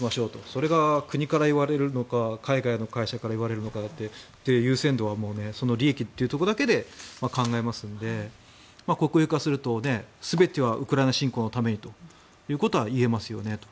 それが国から言われるのか海外の会社から言われるかというのはその利益というところだけで考えますので、国営化すると全てはウクライナ侵攻のためにということはいえますよねと。